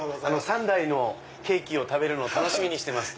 ３代のケーキを食べるの楽しみにしてます！と。